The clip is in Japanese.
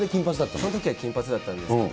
そのときは金髪だったんですけど。